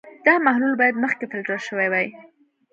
دا محلول باید مخکې فلټر شوی وي.